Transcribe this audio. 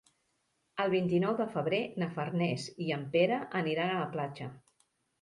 El vint-i-nou de febrer na Farners i en Pere aniran a la platja.